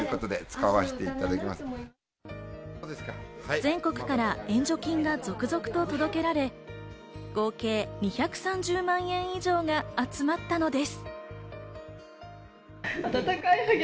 全国から援助金が続々と届けられ、合計２３０万円以上が集まったのです。